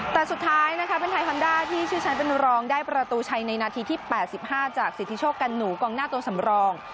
แต่สุดท้ายนะคะเป็นไทยฮอนด้าที่ชื่อชั้นเป็นรองได้ประตูชัยในนาทีที่๘๕จากสิทธิโชคกันหนูกองหน้าตัวสำรอง